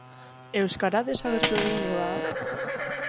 Euskara desagertu egingo da?